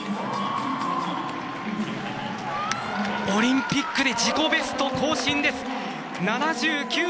オリンピックで自己ベスト更新です！